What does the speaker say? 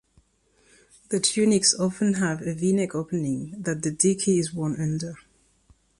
The tunics often have a V-neck opening that the dicky is worn under.